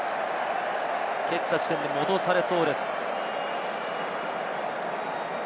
蹴った地点に戻されそうです。